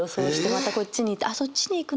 またこっちに行ってあっそっちに行くの？